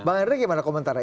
bang andri gimana komentarnya